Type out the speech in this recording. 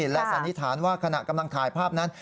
และสันนิษฐานว่าขณะกำลังถ่ายภาพนั้น